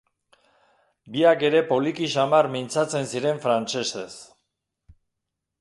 Biak ere poliki samar mintzatzen ziren frantsesez.